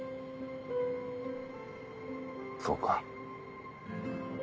そうか。